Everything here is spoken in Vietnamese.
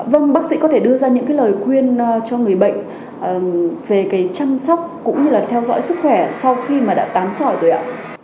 vâng bác sĩ có thể đưa ra những cái lời khuyên cho người bệnh về cái chăm sóc cũng như là theo dõi sức khỏe sau khi mà đã tán sỏi rồi ạ